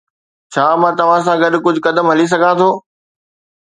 ڇا مان توهان سان گڏ ڪجهه قدم هلي سگهان ٿو؟